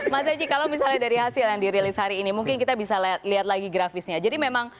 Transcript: mas eji kalau misalnya dari hasil yang dirilis hari ini mungkin kita bisa lihat lagi grafisnya jadi memang